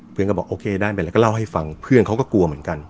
ก็บอกโอเคได้ไปแล้วก็เล่าให้ฟังเพื่อนเขาก็กลัวเหมือนกัน